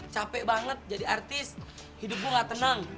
capek banget jadi artis hidup gue gak tenang